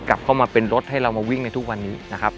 กลับเข้ามาเป็นรถให้เรามาวิ่งในทุกวันนี้นะครับ